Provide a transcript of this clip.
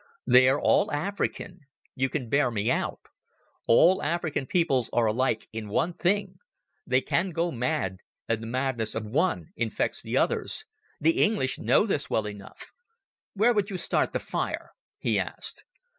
"They are all African. You can bear me out. All African peoples are alike in one thing—they can go mad, and the madness of one infects the others. The English know this well enough." "Where would you start the fire?" he asked.